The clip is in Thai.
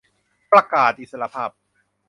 ประกาศอิสรภาพ